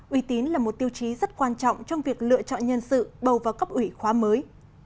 uy tín là một tiêu chí rất quan trọng trong việc lựa chọn nhân sự bầu vào cấp ủy khóa mới